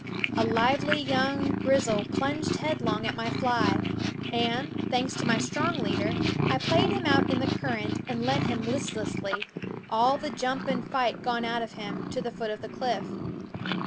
A lively young grilse plunged headlong at my fly and, thanks to my strong leader, I played him out in the current and led him listlessly, all the jump and fight gone out of him, to the foot of the cliff.